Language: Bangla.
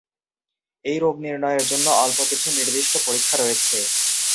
এই রোগ নির্ণয়ের জন্য অল্প কিছু নির্দিষ্ট পরীক্ষা রয়েছে।